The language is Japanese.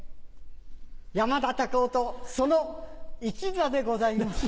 山田隆夫とその一座でございます。